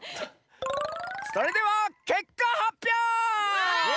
それではけっかはっぴょう！わ！